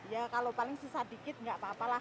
ya kalau paling susah dikit nggak apa apa lah